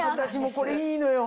これいいのよ。